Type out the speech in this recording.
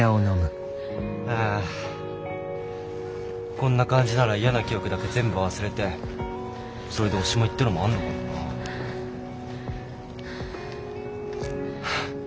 こんな感じなら嫌な記憶だけ全部忘れてそれでおしまいってのもあるのかもなあ。